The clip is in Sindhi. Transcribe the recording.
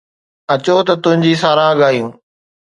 اچو ته تنهنجي ساراهه ڳايون